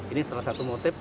ini salah satu motif